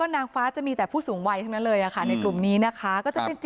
นางฟ้าจะมีผู้สูงวัยเลยในกลุ่มนี้นะคะ